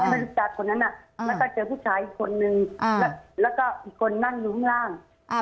ไม่รู้จักคนนั้นแล้วก็เจอผู้ชายอีกคนนึงแล้วก็อีกคนนั่งอยู่ข้างล่าง